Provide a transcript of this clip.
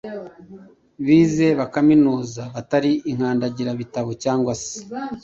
bize bakaminuza, batari inkandagirabitabo cyangwa se